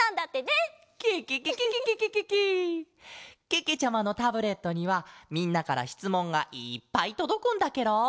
けけちゃまのタブレットにはみんなからしつもんがいっぱいとどくんだケロ！